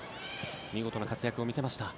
見事な活躍を見せました。